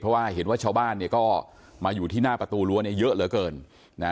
เพราะว่าเห็นว่าชาวบ้านเนี่ยก็มาอยู่ที่หน้าประตูรั้วเนี่ยเยอะเหลือเกินนะ